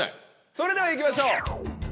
それでは行きましょう。